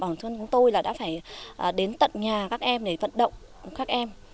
bản thân chúng tôi là đã phải đến tận nhà các em để vận động các em